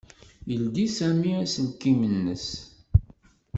Yeldi Sami aselkim-ines.